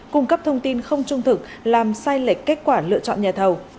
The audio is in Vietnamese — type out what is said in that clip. cung cấp thông tin không trung thực làm sai lệch kết quả lựa chọn nhà thầu